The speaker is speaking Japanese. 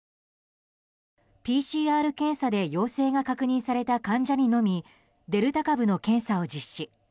ＰＣＲ検査で陽性が確認された患者にのみデルタ株の検査を実施。